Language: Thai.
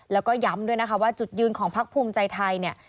แล้วก็ย้ำด้วยนะคะว่าจุดยืนของพักภูมิใจไทยเนี่ย